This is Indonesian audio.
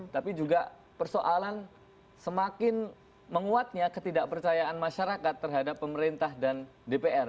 tapi juga persoalan semakin menguatnya ketidakpercayaan masyarakat terhadap pemerintah dan dpr